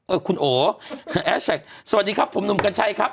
คุณโอแฮชแท็กสวัสดีครับผมหนุ่มกัญชัยครับ